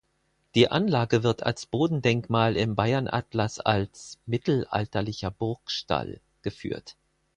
Die Anlage wird als Bodendenkmal im Bayernatlas als „mittelalterlicher Burgstall“ geführt.